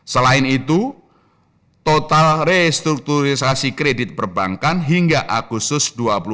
selain itu total restrukturisasi kredit perbankan hingga agustus dua ribu dua puluh